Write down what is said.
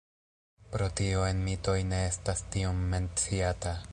Pro tio en mitoj ne estas tiom menciata.